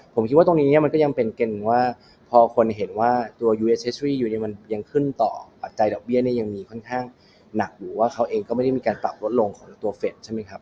ผมคิดว่าตรงนี้มันก็ยังเป็นกันว่าพอคนเห็นว่าตัวยูเอเชสรียูเนี่ยมันยังขึ้นต่อปัจจัยดอกเบี้ยเนี่ยยังมีค่อนข้างหนักอยู่ว่าเขาเองก็ไม่ได้มีการปรับลดลงของตัวเฟสใช่ไหมครับ